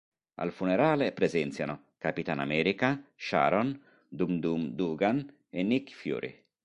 Al funerale presenziano Capitan America, Sharon, Dum Dum Dugan e Nick Fury.